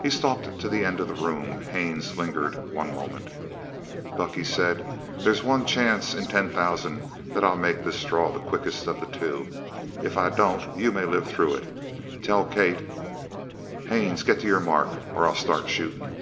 He stalked to the end of the room. Haines lingered one moment. "Buck," he said, "there's one chance in ten thousand that I'll make this draw the quickest of the two. If I don't, you may live through it. Tell Kate " "Haines, git to your mark, or I'll start shootin'!"